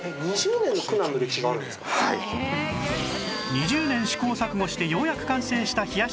２０年試行錯誤してようやく完成した冷やし中華